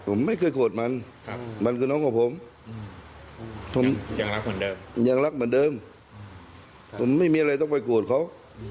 ผมไม่เคยโกรธมันมันคือน้องกับผมยังรักเหมือนเดิมผมไม่มีอะไรต้องไปโกรธเขา